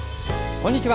こんにちは。